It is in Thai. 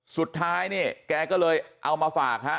สุดท้ายเนี่ยแกก็เลยเอามาฝากฮะ